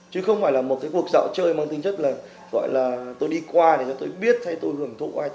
chứ không phải là một cuộc dạo chơi mang tính chất là tôi đi qua để tôi biết hay tôi hưởng thụ ai